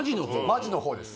マジの方です